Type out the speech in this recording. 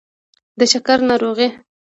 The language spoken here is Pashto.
د شکر ناروغي